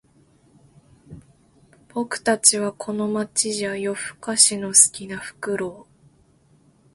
僕たちはこの街じゃ夜ふかしの好きなフクロウ